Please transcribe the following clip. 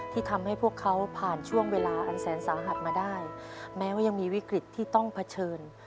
ที่ทำให้พวกเขาผ่านช่วงเวลาอันแสนสาหัสมาได้แม้ว่ายังมีวิกฤตที่ต้องเผชิญ